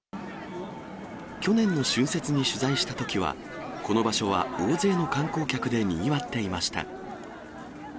去年の春節を取材したときは、この場所は大勢の観光客でにぎわっていました。